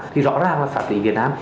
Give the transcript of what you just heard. thì rõ ràng là phạt tùy việt nam